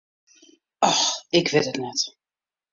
Och, ik wit it net.